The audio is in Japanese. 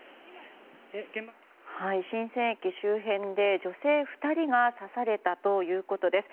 神泉駅周辺で女性２人が刺されたということです。